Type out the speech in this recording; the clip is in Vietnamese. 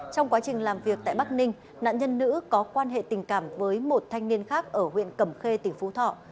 trong quá trình làm việc tại bắc ninh nạn nhân nữ có quan hệ tình cảm với một thanh niên khác ở huyện cẩm khê tỉnh phú thọ